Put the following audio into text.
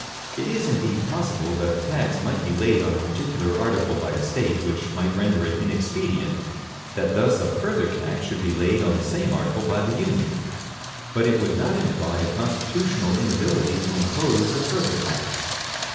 It is, indeed, possible that a tax might be laid on a particular article by a State which might render it INEXPEDIENT that thus a further tax should be laid on the same article by the Union; but it would not imply a constitutional inability to impose a further tax.